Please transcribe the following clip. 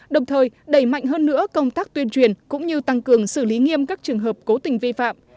đồng thời đẩy mạnh hơn nữa công tác tuyên truyền cũng như tăng cường xử lý nghiêm các trường hợp cố tình vi phạm